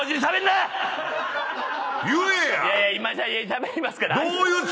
今しゃべりますから。